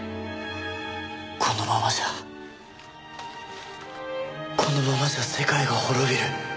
このままじゃこのままじゃ世界が滅びる。